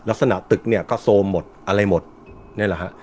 ลักษณะตึกเนี่ยก็โซมหมดอะไรหมดนี่แหละฮะ